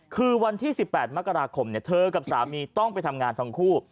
คือวันที่๑๘มกราคมเธอกับสามีต้องไปทำงานทั้งคู่